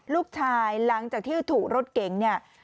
ลูกชายหลังจากที่ถูกรถเก๋ง